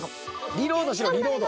リロードしろリロード。